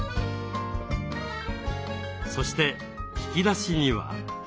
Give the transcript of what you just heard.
そして引き出しには？